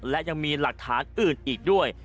และยังมีหลักฐานอื่นอีกด้วย